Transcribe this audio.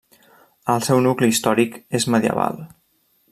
El seu nucli històric és medieval.